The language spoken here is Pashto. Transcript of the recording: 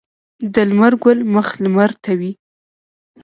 د لمر ګل مخ لمر ته وي